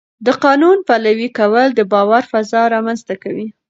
د قانون پلي کول د باور فضا رامنځته کوي